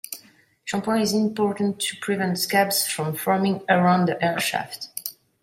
Shampooing is important to prevent scabs from forming around the hair shaft.